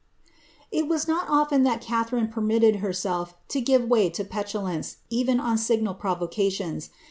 IS not oAen that Catharine permitted herself to give waj to petu nren on signal provocations.